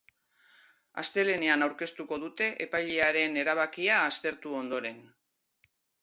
Astelehenean aurkeztuko dute, epailearen erabakia aztertu ondoren.